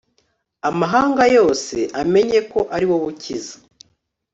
amahanga yose amenye ko ari wowe ukiza